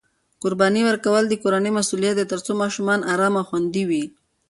قرباني ورکول د کورنۍ مسؤلیت دی ترڅو ماشومان ارام او خوندي وي.